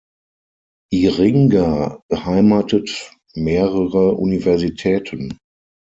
Iringa beheimatet mehrere Universitäten.